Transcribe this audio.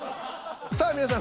さあ皆さん